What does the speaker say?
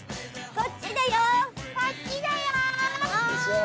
こっちだよ！